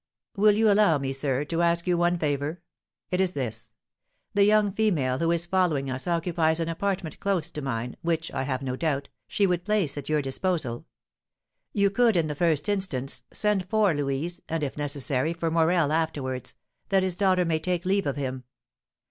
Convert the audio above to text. "Will you allow me, sir, to ask you one favour? It is this: the young female who is following us occupies an apartment close to mine, which, I have no doubt, she would place at your disposal. You could, in the first instance, send for Louise, and, if necessary, for Morel afterwards, that his daughter may take leave of him.